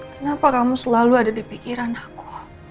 kenapa kamu selalu ada di pikiran aku